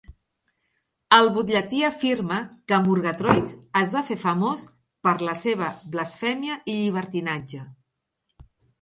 El butlletí afirma que Murgatroyds es va fer famós "per la seva blasfèmia i llibertinatge".